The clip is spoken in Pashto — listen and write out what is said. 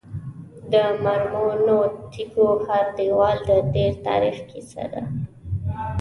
د مرمرینو تیږو هر دیوال د تیر تاریخ کیسه ده.